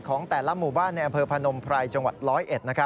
ของแต่ละหมู่บ้านในอำเภอพนมภรรย์จังหวัดร้อยเอ็ด